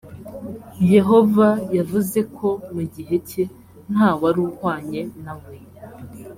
yehova yavuze ko mu gihe cye nta wari uhwanye na we